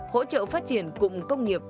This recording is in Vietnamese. hỗ trợ phát triển cụm công nghiệp